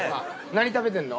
何食べてんの？